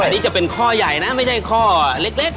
อันนี้จะเป็นข้อใหญ่นะไม่ใช่ข้อเล็ก